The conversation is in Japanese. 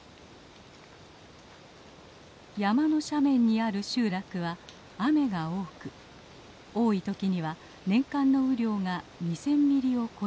山の斜面にある集落は雨が多く多いときには年間の雨量が２，０００ミリを超えます。